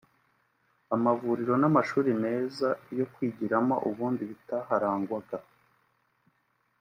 amavuriro n’amashuri meza yo kwigiramo ubundi bitaharangwaga